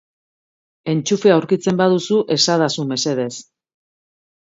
Entxufea aurkitzen baduzu esadazu mesedez.